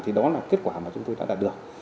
thì đó là kết quả mà chúng tôi đã đạt được